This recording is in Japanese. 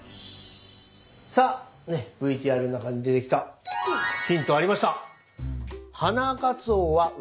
さあねＶＴＲの中に出てきたヒントありました。